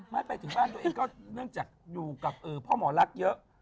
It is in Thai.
ไม่ไปถึงบ้านตัวเองก็เนื่องจากอยู่กับพ่อหมอลักษณ์เยอะ